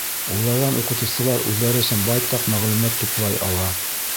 Уларҙан уҡытыусылар үҙҙәре өсөн байтаҡ мәғлүмәт туплай ала.